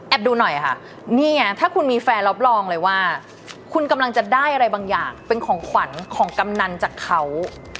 ดูหน่อยค่ะนี่ไงถ้าคุณมีแฟนรับรองเลยว่าคุณกำลังจะได้อะไรบางอย่างเป็นของขวัญของกำนันจากเขา